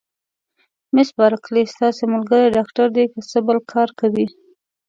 مس بارکلي: ستاسي ملګری ډاکټر دی، که څه بل کار کوي؟